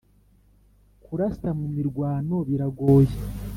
kurasa mumirwano biragoye